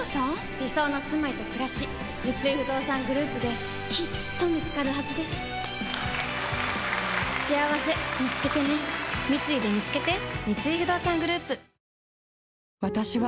理想のすまいとくらし三井不動産グループできっと見つかるはずですしあわせみつけてね三井でみつけてフフフ！